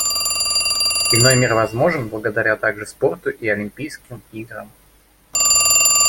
Иной мир возможен, и благодаря также спорту и Олимпийским играм.